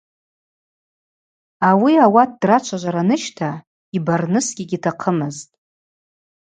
Ауи ауат, драчважвара ныжьхта, йбарнысгьи гьитахъымызтӏ.